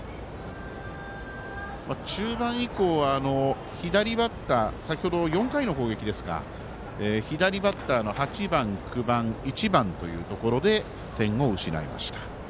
中盤以降は左バッター先ほど、４回の攻撃ですが左バッターの８番、９番、１番というところで点を失いました。